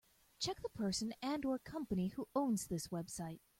Check the person and/or company who owns this website.